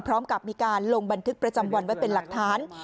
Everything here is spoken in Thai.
พร้อมกับมีการลงบันทึกประจำวันไว้เป็นหลักฐาน